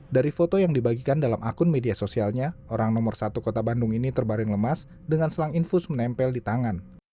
dari foto yang dibagikan dalam akun media sosialnya orang nomor satu kota bandung ini terbaring lemas dengan selang infus menempel di tangan